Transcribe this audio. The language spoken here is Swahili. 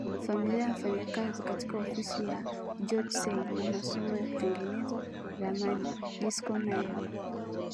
familia ya mfanyakazi katika Ofisi ya Geodesy na masomo ya kutengeneza ramani Dickerson Naylor